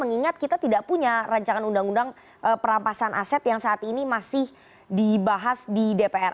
mengingat kita tidak punya rancangan undang undang perampasan aset yang saat ini masih dibahas di dpr